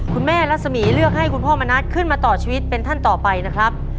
รัศมีร์เลือกให้คุณพ่อมณัฐขึ้นมาต่อชีวิตเป็นท่านต่อไปนะครับ